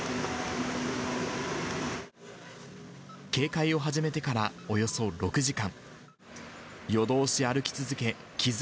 警戒を始めてからおよそ６時間。